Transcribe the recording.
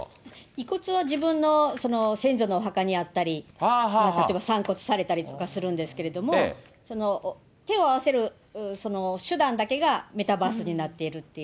遺骨は自分の先祖のお墓にあったり、例えば散骨されたりとかするんですけど、手を合わせる手段だけがメタバースになっているっていう。